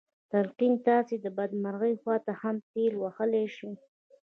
تلقين تاسې د بدمرغۍ خواته هم ټېل وهلی شي.